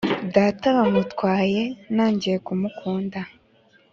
Data bamutwaye Ntangiye kumukunda